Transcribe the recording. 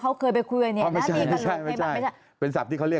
เขาเรียกสั้นเป็นกะโหลก